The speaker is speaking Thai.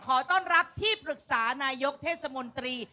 ขอต้อนรับที่ปรึกษานายกเทศมนตรี